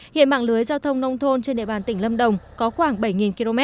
hiện mạng lưới giao thông nông thôn trên địa bàn tỉnh lâm đồng có khoảng bảy km